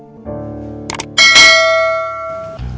psikopat terung langsung keluar sebelum kita butuh minuman